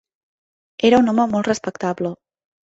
Era un home molt respectable.